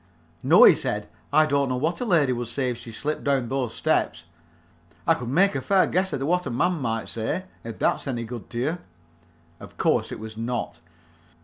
"No," he said, "I don't know what a lady would say if she slipped down those steps. I could make a fair guess at what a man would say, if that's any good to you." Of course it was not.